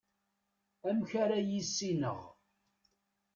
amek ara yissineɣ